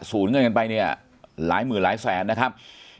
เงินกันไปเนี่ยหลายหมื่นหลายแสนนะครับ